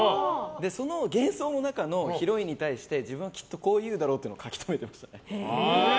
その幻想の中のヒロインに対して自分はきっとこう言うだろうというのを書き留めていました。